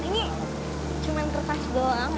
ini cuman kertas doang